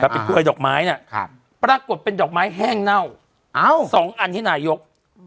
เป็นกล้วยดอกไม้เนี่ยปรากฏเป็นดอกไม้แห้งเน่า๒อันให้นายก